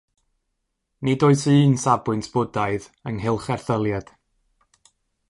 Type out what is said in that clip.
Nid oes un safbwynt Bwdhaidd ynghylch erthyliad.